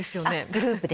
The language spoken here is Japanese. グループで。